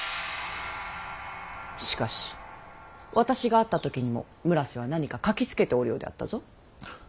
しかし私が会った時にも村瀬は何か書きつけておるようであったぞ。